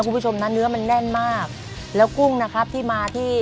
คุณผู้ชมนะเนื้อมันแน่นมากแล้วกุ้งนะครับที่มาที่